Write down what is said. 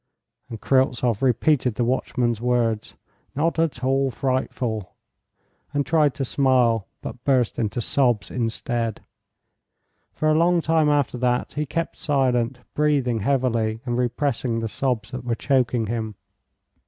And Kryltzoff repeated the watchman's words, "Not at all frightful," and tried to smile, but burst into sobs instead. For a long time after that he kept silent, breathing heavily, and repressing the sobs that were choking him.